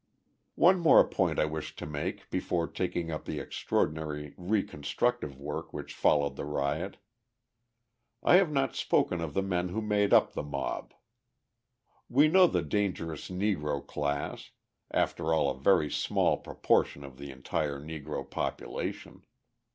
_ One more point I wish to make before taking up the extraordinary reconstructive work which followed the riot. I have not spoken of the men who made up the mob. We know the dangerous Negro class after all a very small proportion of the entire Negro population.